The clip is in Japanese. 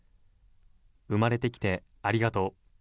生まれてきてありがとう。